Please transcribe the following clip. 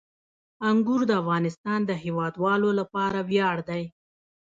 انګور د افغانستان د هیوادوالو لپاره ویاړ دی.